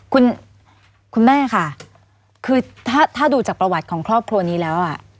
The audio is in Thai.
คุณคุณแม่ค่ะคือถ้าดูจากประวัติของครอบครัวนี้แล้วอ่ะ